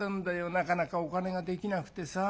なかなかお金ができなくてさ。